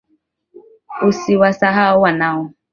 Usiwasahau wanao